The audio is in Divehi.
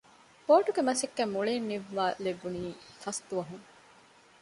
ބޯޓުގެ މަސައްކަތް މުޅީން ނިންވައި ލެއްވުނީ ފަސް ދުވަހުން